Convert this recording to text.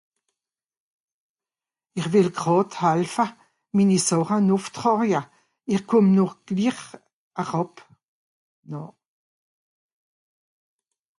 Ìch wìll gràd helfe, mini Sàche nùff traawe, ìch kùmm no glich eràb.